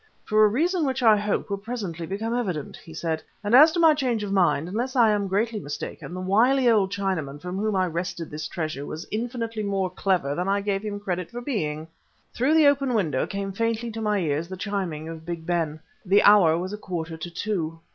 "For a reason which I hope will presently become evident," he said; "and as to my change of mind, unless I am greatly mistaken, the wily old Chinaman from whom I wrested this treasure was infinitely more clever than I gave him credit for being!" Through the open window came faintly to my ears the chiming of Big Ben. The hour was a quarter to two.